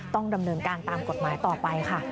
ต้องดำเนินการตามกฎหมายต่อไปค่ะ